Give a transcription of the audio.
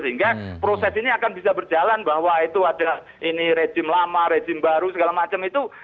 sehingga proses ini akan bisa berjalan bahwa itu ada ini rejim lama rejim baru segala macam itu